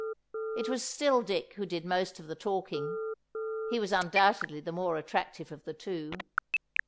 It was still Dick who did most of the talking. He was undoubtedly the more attractive of the two.